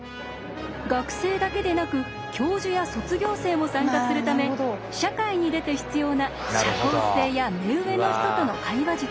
学生だけでなく教授や卒業生も参加するため社会に出て必要な社交性や目上の人との会話術